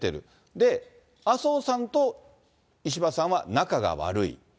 で、麻生さんと石破さんは仲が悪い。